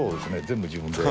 全部自分で。